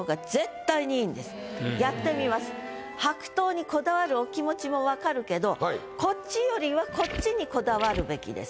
白桃にこだわるお気持ちも分かるけどこっちよりはこっちにこだわるべきです。